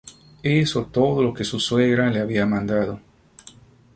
é hizo todo lo que su suegra le había mandado.